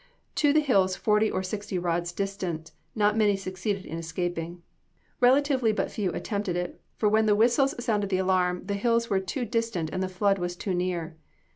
To the hills forty or sixty rods distant, not many succeeded in escaping. Relatively but few attempted it, for when the whistles sounded the alarm, the hills were too distant and the flood was too near.